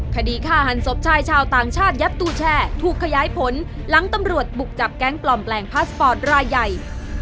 คดีฆ่าหันศพชายชาวต่างชาติยัดตู้แช่ถูกขยายผลหลังตำรวจบุกจับแก๊งปลอมแปลงพาสปอร์ตรายใหญ่